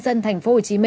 và công an tp hcm